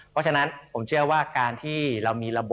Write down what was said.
คุณสินทะนันสวัสดีครับ